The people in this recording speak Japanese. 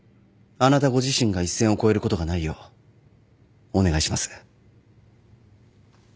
あなたご自身が一線を越えることがないようお願いします。